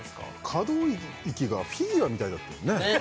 可動域がフィギュアみたいだったよね